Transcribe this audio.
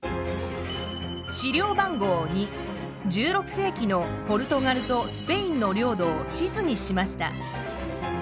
資料番号２１６世紀のポルトガルとスペインの領土を地図にしました。